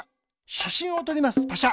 しゃしんをとりますパシャ。